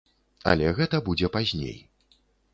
Але гэта будзе пазней.